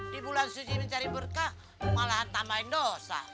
di bulan suci mencari berkah malah tambahin dosa